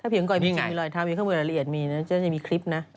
ถ้าเพียงก่อยมีชีวิตมีรอยเท้ามีเครื่องบริเวณละเอียดมีนะเจ้าจะมีคลิปนะ